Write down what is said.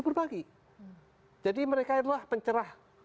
berbagi jadi mereka adalah pencerah